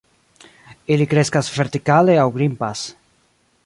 Ili kreskas vertikale aŭ grimpas.